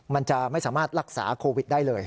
มันจะไม่สามารถรักษาโควิดได้เลย